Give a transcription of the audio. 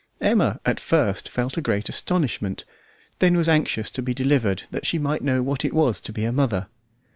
Emma at first felt a great astonishment; then was anxious to be delivered that she might know what it was to be a mother.